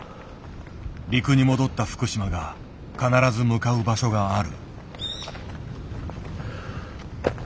陸に戻った福島が必ず向かう場所がある。